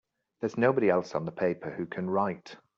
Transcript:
There's nobody else on the paper who can write!